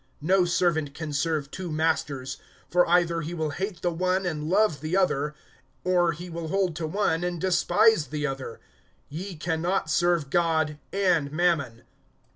(13)No servant can serve two masters; for either he will hate the one, and love the other, or he will hold to one, and despise the other. Ye can not serve God and Mammon.